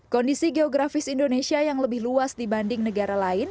kondisi geografis indonesia yang lebih luas dibanding negara lain